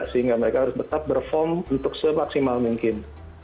sehingga mereka harus tetap perform untuk se maksimal mungkin